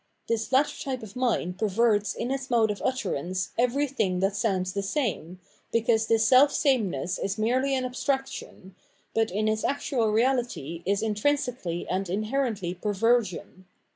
This latter type of mind perverts in its mode of utterance everything that sounds the same, because this self sameness is merely an abstraction, but in its actual reality is intrinsically and inherently perversion.